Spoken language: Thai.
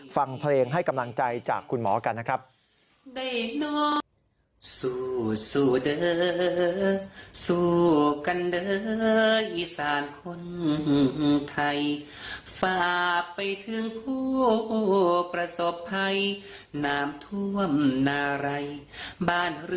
ฟังเพลงให้กำลังใจจากคุณหมอกันนะครับ